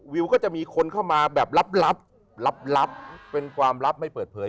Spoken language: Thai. วิวก็จะมีคนเข้ามาแบบลับลับเป็นความลับไม่เปิดเผย